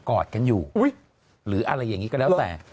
กอดกันอยู่หรืออะไรอย่างนี้ก็แล้วแต่